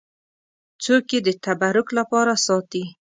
څوک یې د تبرک لپاره ساتي.